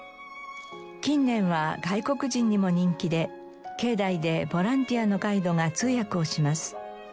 近年は外国人にも人気で境内でボランティアのガイドが通訳をします。